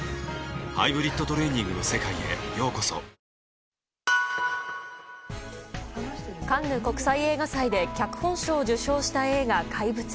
うるおいタイプもカンヌ国際映画祭で脚本賞を受賞した映画「怪物」。